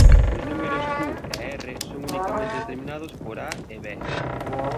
Os números "q" e "r" son unicamente determinados por "a" e "b".